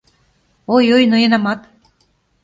Ой-ой, ноенамат!